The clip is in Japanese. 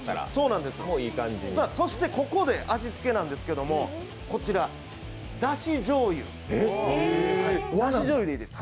そしてここで味付けなんですけれども、こちら、だしじょうゆ。